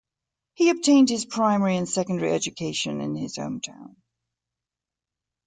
He obtained his primary and secondary education in his hometown.